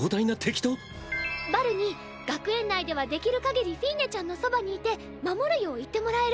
バルに学園内ではできるかぎりフィーネちゃんのそばにいて守るよう言ってもらえる？